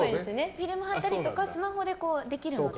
フィルム貼ったりとかスマホでできるので。